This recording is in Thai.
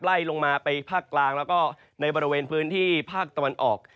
ไล่ลงมาไปภาคกลางแล้วก็ในบริเวณพื้นที่ภาคตะวันออก